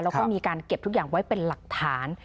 แล้วก็มีการเก็บทุกอย่างไว้เป็นหลักฐาน